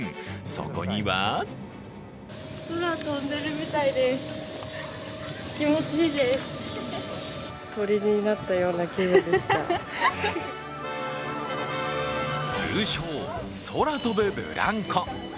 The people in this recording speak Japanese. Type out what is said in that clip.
そこには通称、空飛ぶフランコ。